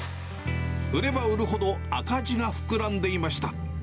売れば売るほど赤字が膨らんでいました。